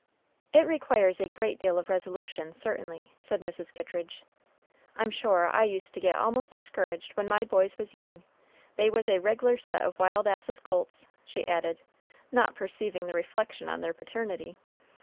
"It requires a great deal of resolution, certainly," said Mrs. Kittridge; "I'm sure I used to get a'most discouraged when my boys was young: they was a reg'lar set of wild ass's colts," she added, not perceiving the reflection on their paternity.